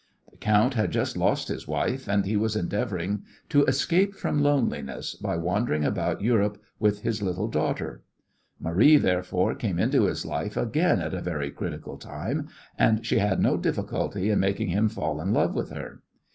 The count had just lost his wife, and he was endeavouring to escape from loneliness by wandering about Europe with his little daughter. Marie, therefore, came into his life again at a very critical time, and she had no difficulty in making him fall in love with her.